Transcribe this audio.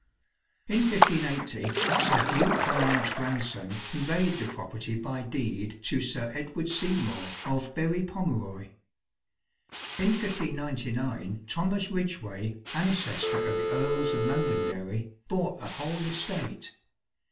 In 1580, Sir Hugh Pollard's grandson conveyed the property by deed to Sir Edward Seymour, of Berry Pomeroy. In 1599, Thomas Ridgeway, ancestor of the Earls of Londonderry, bought the whole estate.